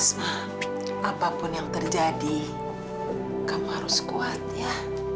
asma apapun yang terjadi kamu harus kuat ya